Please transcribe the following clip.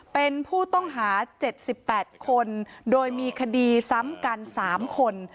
เป็นผู้ต้องหา๗๘คนโดยมีคดีซ้ำกัน๓คน